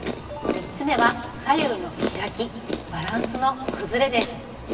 ３つ目は左右の開きバランスの崩れです。